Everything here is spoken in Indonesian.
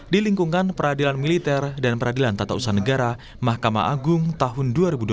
di lingkungan peradilan militer dan peradilan tata usaha negara mahkamah agung tahun dua ribu dua puluh